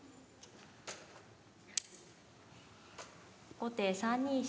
後手３二飛車。